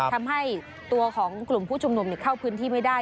ทำให้ตัวของกลุ่มผู้ชุมนุมเข้าพื้นที่ไม่ได้